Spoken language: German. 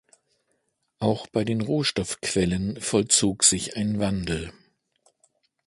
Auch bei den Rohstoffquellen vollzog sich ein Wandel.